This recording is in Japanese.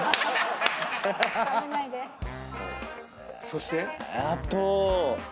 そして？